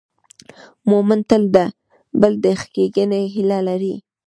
مؤمن تل د بل د ښېګڼې هیله لري.